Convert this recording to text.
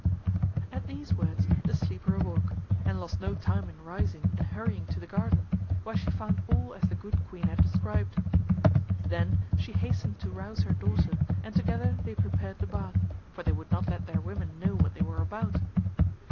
At these words the sleeper awoke, and lost no time in rising and hurrying to the garden, where she found all as the Good Queen had described. Then she hastened to rouse her daughter and together they prepared the bath, for they would not let their women know what they were about.